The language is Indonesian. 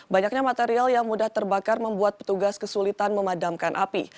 banyaknya material yang mudah terbakar membuat petugas kesulitan memadamkan api